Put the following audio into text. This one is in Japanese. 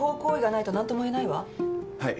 はい。